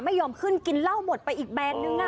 ไม่ยอมขึ้นกินเหล้าหมดไปอีกแบรนด์นึง